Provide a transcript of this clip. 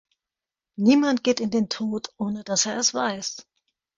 Niemand geht in den Tod, ohne dass er es weiß.